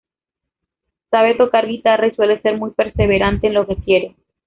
Sabe tocar guitarra y suele ser muy perseverante en lo que quiere.